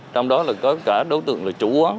trong đó có cả đối tượng là chủ quán